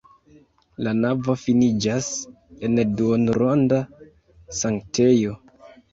La navo finiĝas en duonronda sanktejo.